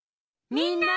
みんな！